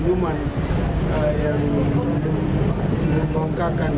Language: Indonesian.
itu yang kami harapkan